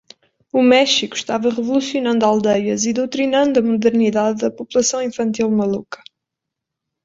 O México estava revolucionando aldeias e doutrinando a modernidade da população infantil maluca.